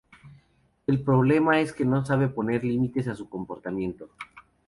El problema es que no sabe poner límites a su comportamiento.